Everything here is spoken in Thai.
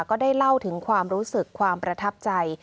ก็ได้เล่าถึงความรู้สึกความประทับใจ